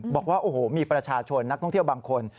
บอกว่าโอ้โหมีประชาชนนักท่องเที่ยวบางคน